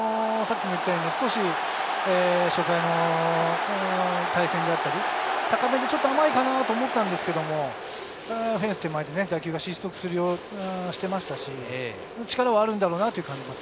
少し初回の対戦であったり、高めで甘いかなと思ったんですけど、フェンス手前で打球が失速していましたし、力はあるんだろうなという感じです。